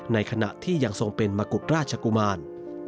ในขณะที่ยังทรงเป็นมกุฎราชกุมาร